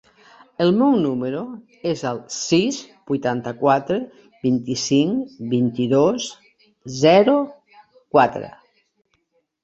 El meu número es el sis, vuitanta-quatre, vint-i-cinc, vint-i-dos, zero, quatre.